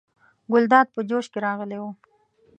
ګلداد په جوش کې راغلی و.